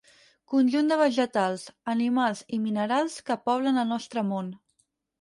Conjunt de vegetals, animals i minerals que poblen el nostre món.